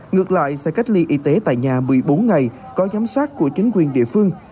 ngược lại sẽ cách ly y tế tại nhà một mươi bốn ngày có giám sát của chính quyền địa phương